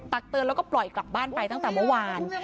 ตักเตือนแล้วก็ปล่อยกลับบ้านไปตั้งแต่เมื่อวาน